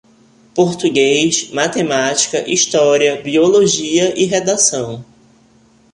Português, matemática, história, biologia e redação